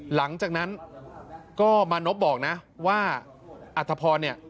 หลังจากนั้นก็มานพบอกนะว่าอัธพรเนี่ย